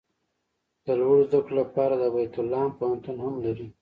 د لوړو زده کړو لپاره د بیت لحم پوهنتون هم لري.